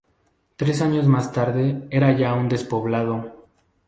Tres años más tarde era ya un despoblado.